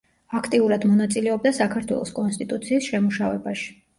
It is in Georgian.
აქტიურად მონაწილეობდა საქართველოს კონსტიტუციის შემუშავებაში.